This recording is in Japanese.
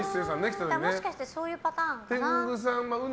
もしかしてそういうパターンかなって。